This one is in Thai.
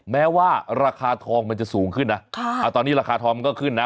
แม้ว่าราคาทองมันจะสูงขึ้นนะตอนนี้ราคาทองมันก็ขึ้นนะ